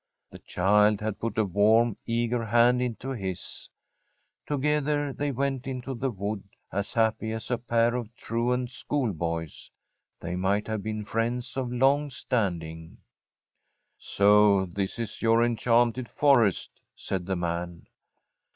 The child had put a warm, eager hand into his; together they went into the wood, as happy as a pair of truant school boys; they might have been friends of long standing. 'So this is your enchanted forest?' said the man.